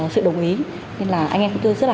sự đồng ý nên là anh em chúng tôi rất là